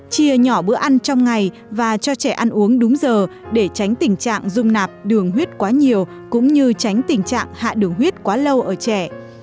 chia nhỏ bữa ăn trong ngày và cho trẻ ăn uống đúng giờ để tránh tình trạng dung nạp đường huyết quá nhiều cũng như tránh tình trạng hạ đường huyết quá lâu ở trẻ